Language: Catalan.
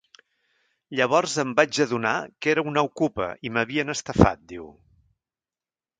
Llavors em vaig adonar que era una okupa i m’havien estafat, diu.